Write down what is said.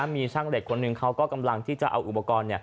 มีช่างเหล็กคนหนึ่งเขาก็กำลังที่จะเอาอุปกรณ์